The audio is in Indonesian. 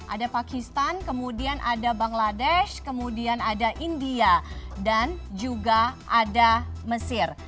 ada pakistan kemudian ada bangladesh kemudian ada india dan juga ada mesir